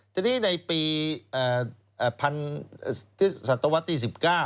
ทีนี้ในปีสัตวัตตี๑๙